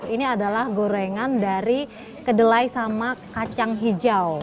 ini adalah gorengan dari kedelai sama kacang hijau